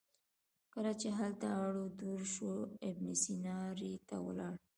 کله چې هلته اړو دوړ شو ابن سینا ري ته ولاړ.